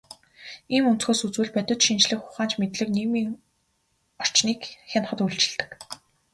Ийм өнцгөөс үзвэл, бодит шинжлэх ухаанч мэдлэг нийгмийн орчныг хянахад үйлчилдэг.